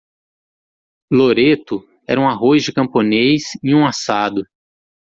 Loreto era um arroz de camponês e um assado.